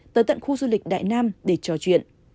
tới tận khu du lịch đại nam để trò chuyện